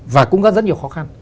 và cũng có rất nhiều khó khăn